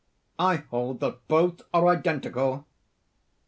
"I hold that both are identical."